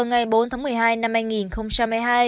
ngày bốn tháng một mươi hai năm hai nghìn hai mươi hai